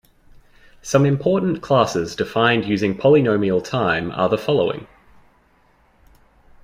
Some important classes defined using polynomial time are the following.